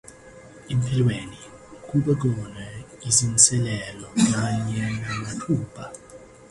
Empilweni kuba khona izinselelo kanye namathuba.